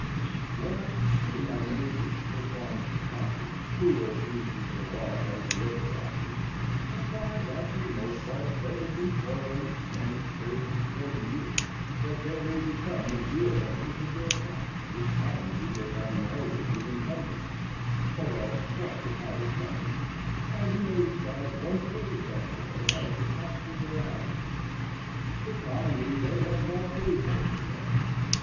When I consider my neighbors, the farmers of Concord, who are at least as well off as the other classes, I find that for the most part they have been toiling twenty, thirty, or forty years, that they may become the real owners of their farms, which commonly they have inherited with encumbrances, or else bought with hired money,—and we may regard one third of that toil as the cost of their houses,—but commonly they have not paid for them yet.